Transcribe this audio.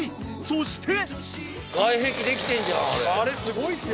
［そして］